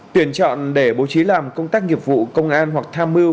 tuyển chọn để bố trí làm công tác nghiệp vụ công an hoặc tham mưu